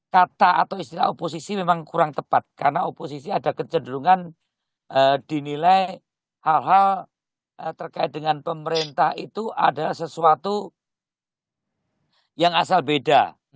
kata atau istilah oposisi memang kurang tepat karena oposisi ada kecenderungan dinilai hal hal terkait dengan pemerintah itu adalah sesuatu yang asal beda